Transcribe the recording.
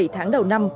bảy tháng đầu năm